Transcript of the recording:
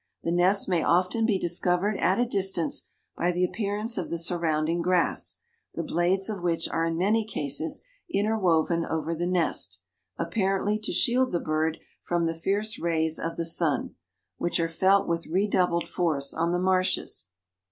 The nest may often be discovered at a distance by the appearance of the surrounding grass, the blades of which are in many cases interwoven over the nest, apparently to shield the bird from the fierce rays of the sun, which are felt with redoubled force on the marshes.